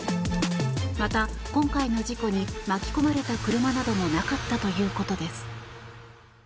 また、今回の事故に巻き込まれた車などもなかったということです。